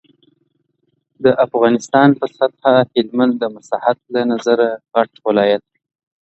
یو شمس الدین وم په کندهار کي